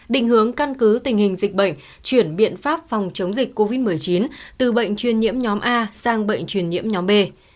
định hướng căn cứ tình hình dịch bệnh chuyển biện pháp phòng chống dịch covid một mươi chín từ bệnh truyền nhiễm nhóm a sang bệnh truyền nhiễm nhóm b